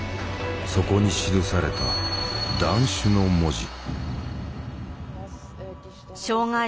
そこに記された「断種」の文字。